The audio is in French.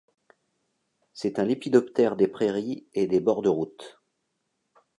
C'est un lépidoptère des prairies et des bords de route.